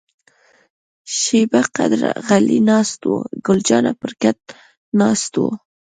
شیبه قدر غلي ناست وو، ګل جانه پر کټ ناسته وه.